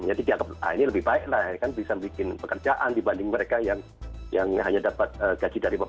jadi dianggap ini lebih baik lah kan bisa bikin pekerjaan dibanding mereka yang hanya dapat gaji dari bumn